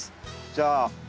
じゃあ。